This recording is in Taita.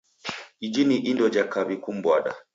Iji ini indo ja kaw'I kumbwada.